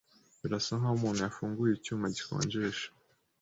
Birasa nkaho umuntu yafunguye icyuma gikonjesha.